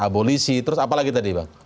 abolisi terus apa lagi tadi bang